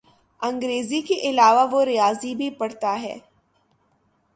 انگریزی کے علاوہ وہ ریاضی بھی پڑھاتا ہے۔